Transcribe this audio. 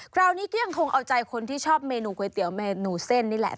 คราวนี้ก็ยังคงเอาใจคนที่ชอบเมนูก๋วยเตี๋ยวเมนูเส้นนี่แหละ